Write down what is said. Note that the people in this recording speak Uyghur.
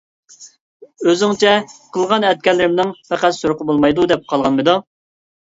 ئۆزۈڭچە قىلغان - ئەتكەنلىرىمنىڭ پەقەت سورىقى بولمايدۇ، دەپ قالغانمىدىڭ؟